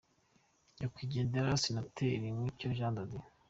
Nyakwigendera Senateri Mucyo Jean de Dieu